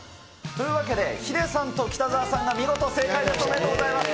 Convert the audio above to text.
というわけで、ヒデさんと北澤さんが見事、正解です。